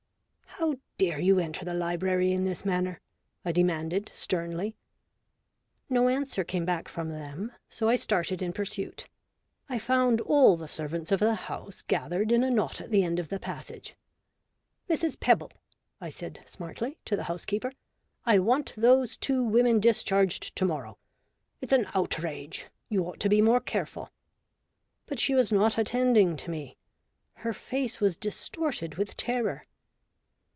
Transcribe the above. " How dare you enter the library in this manner?" I demanded, sternly. No answer came back from them, so I started in pursuit. I found all the servants of the house gathered in a knot at the end of the passage. " Mrs. Pebble," I said smartly, to the house keeper, " I want those two women discharged to morrow. It's an outrage ! You ought to be more careful." But she was not attending to me. Her face was distorted with terror.